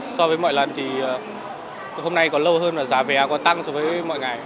so với mọi lần thì hôm nay có lâu hơn mà giá vé có tăng so với mọi ngày